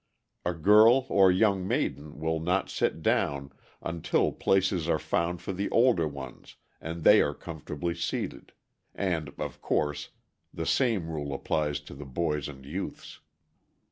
A girl or young maiden will not sit down until places are found for the older ones and they are comfortably seated, and, of course, the same rule applies to the boys and youths.